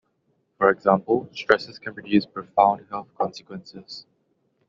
For example, stressors can produce profound health consequences.